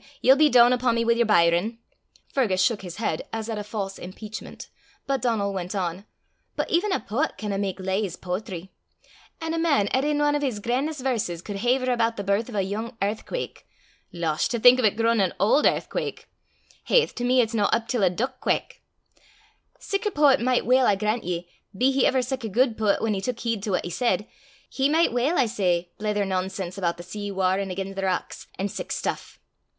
ye'll be doon upo' me wi' yer Byron," Fergus shook his head as at a false impeachment, but Donal went on "but even a poet canna mak lees poetry. An' a man 'at in ane o' his gran'est verses cud haiver aboot the birth o' a yoong airthquack! losh! to think o' 't growin' an auld airthquack! haith, to me it's no up till a deuk quack! sic a poet micht weel, I grant ye, be he ever sic a guid poet whan he tuik heed to what he said, he micht weel, I say, blether nonsense aboot the sea warrin' again' the rocks, an' sic stuff."